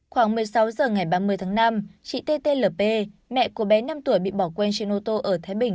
khoảng một mươi sáu h ngày ba mươi tháng năm chị t t l p mẹ của bé năm tuổi bị bỏ quên trên ô tô ở thái bình